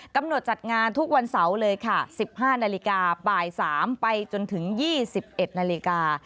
จัดงานทุกวันเสาร์เลยค่ะ๑๕นาฬิกาบ่าย๓ไปจนถึง๒๑นาฬิกา